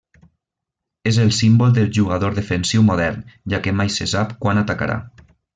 És el símbol del jugador defensiu modern, ja que mai se sap quan atacarà.